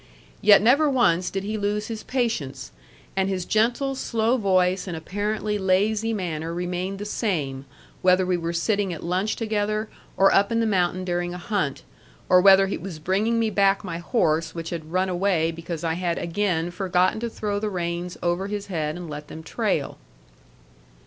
Yet never once did he lose his patience and his gentle, slow voice, and apparently lazy manner remained the same, whether we were sitting at lunch together, or up in the mountain during a hunt, or whether he was bringing me back my horse, which had run away because I had again forgotten to throw the reins over his head and let them trail.